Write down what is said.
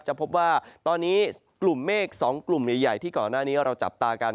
จะพบว่าตอนนี้กลุ่มเมฆ๒กลุ่มใหญ่ที่ก่อนหน้านี้เราจับตากัน